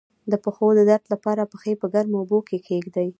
د پښو د درد لپاره پښې په ګرمو اوبو کې کیږدئ